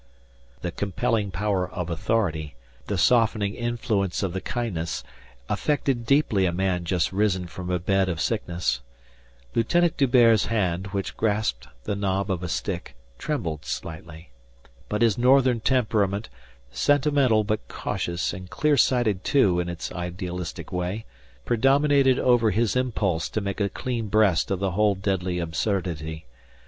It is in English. The compelling power of authority, the softening influence of the kindness affected deeply a man just risen from a bed of sickness. Lieutenant D'Hubert's hand, which grasped the knob of a stick, trembled slightly. But his northern temperament, sentimental but cautious and clear sighted, too, in its idealistic way, predominated over his impulse to make a clean breast of the whole deadly absurdity.